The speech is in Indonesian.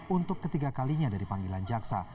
untuk ketiga kalinya dari panggilan jaksa